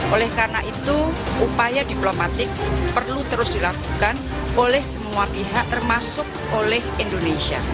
oleh karena itu upaya diplomatik perlu terus dilakukan oleh semua pihak termasuk oleh indonesia